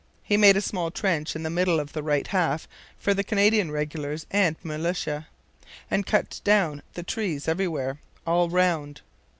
He made a small trench in the middle of the right half for the Canadian regulars and militia, and cut down the trees everywhere, all round.